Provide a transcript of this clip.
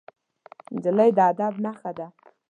نجلۍ د ادب نښه ده.